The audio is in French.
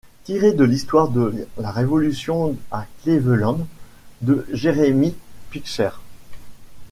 Tiré de l'histoire de la Révolution à Cleveland de Jeremy Pikser.